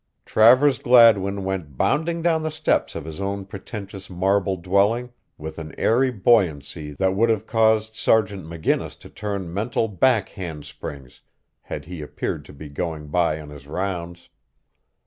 Travers Gladwin went bounding down the steps of his own pretentious marble dwelling with an airy buoyancy that would have caused Sergt. McGinnis to turn mental back handsprings had he happened to be going by on his rounds.